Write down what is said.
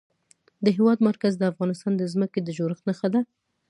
د هېواد مرکز د افغانستان د ځمکې د جوړښت نښه ده.